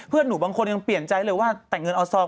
หนูบางคนยังเปลี่ยนใจเลยว่าแต่งเงินออซอง